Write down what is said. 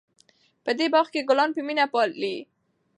په دې باغ کې ګلان په مینه پالي.